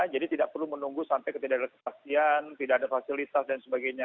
jadi tidak perlu menunggu sampai ketidakpastian tidak ada fasilitas dan sebagainya